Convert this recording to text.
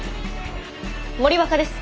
森若です。